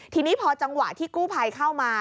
ทีนี้พอจังหวะที่กู้ภัยเข้ามา